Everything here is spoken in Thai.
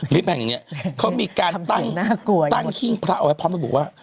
ลิฟต์แห่งหนึ่งเนี่ยเค้ามีการตั้งตั้งหิ้งพระเอาไว้พร้อมให้บอกว่า